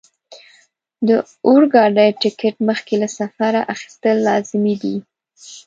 د اورګاډي ټکټ مخکې له سفره اخیستل لازمي دي.